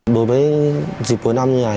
bởi vì dịp cuối năm như thế này